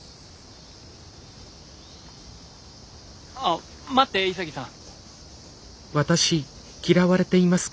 あっ待って潔さん。